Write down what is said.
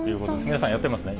皆さん、やってますね。